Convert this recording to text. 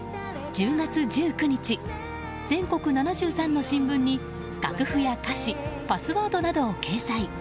１０月１９日、全国７３の新聞に楽譜や歌詞パスワードなどを掲載。